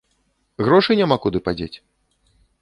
Грошы няма куды падзець?